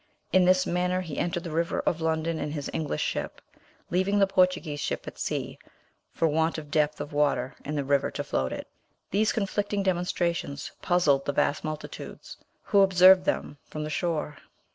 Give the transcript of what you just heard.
In this manner he entered the river of London in his English ship, leaving the Portuguese ship at sea, for want of depth of water in the river to float it. These conflicting demonstrations puzzled the vast multitudes, who observed them from the shore.